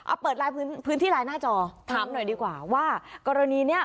เปิดไลน์พื้นที่ไลน์หน้าจอถามหน่อยดีกว่าว่ากรณีเนี้ย